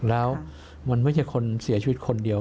แล้วมันไม่ใช่คนเสียชีวิตคนเดียว